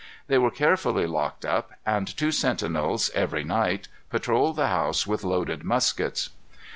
They were carefully locked up, and two sentinels, every night, patrolled the house with loaded muskets.